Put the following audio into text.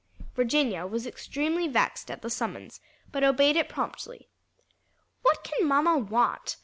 Virginia was extremely vexed at the summons, but obeyed it promptly. "What can mamma want?